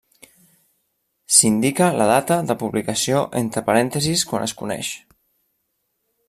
S'hi indica la data de publicació entre parèntesis quan es coneix.